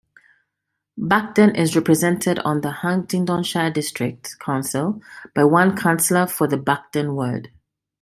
Buckden is represented on Huntingdonshire District Council by one councillor for the Buckden ward.